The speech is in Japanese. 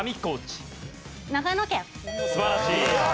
素晴らしい。